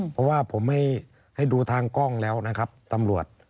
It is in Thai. เพราะว่าผมให้ดูทางกล้องแล้วนะครับตำรวจ